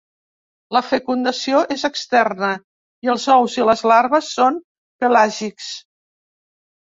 La fecundació és externa i els ous i les larves són pelàgics.